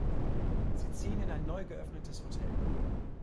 Sie ziehen in ein neu geöffnetes Hotel.